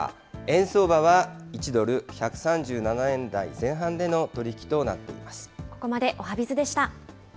円相場は１ドル１３７円台前半での取り引きとなっています。